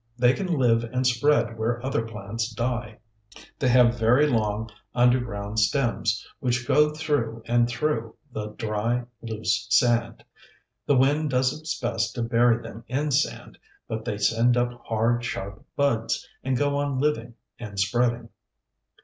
They can live and spread where other plants die. They have very long underground stems, which go through and through the dry, loose sand. The wind does its best to bury them in sand, but they send up hard, sharp buds, and go on living, and spreading.